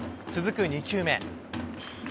続く２球目。